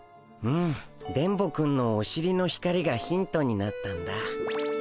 うん電ボくんのおしりの光がヒントになったんだ。